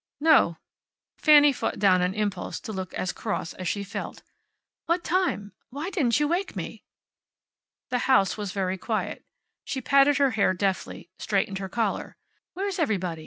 "No." Fanny fought down an impulse to look as cross as she felt. "What time? Why didn't you wake me?" The house was very quiet. She patted her hair deftly, straightened her collar. "Where's everybody?